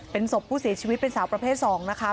เป็นศพผู้เสียชีวิตเป็นสาวประเภท๒นะคะ